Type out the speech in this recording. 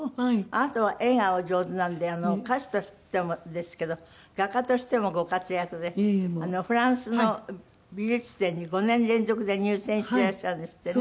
あなたは絵がお上手なんで歌手としてもですけど画家としてもご活躍でフランスの美術展に５年連続で入選してらっしゃるんですってね。